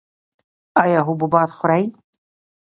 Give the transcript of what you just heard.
ایا حبوبات خورئ؟